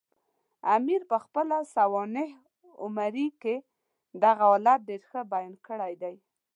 امیر پخپله سوانح عمري کې دغه حالت ډېر ښه بیان کړی دی.